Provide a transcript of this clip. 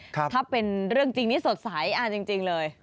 ถ้าเป็นเรื่องจริงนี่สดใสจริงเลย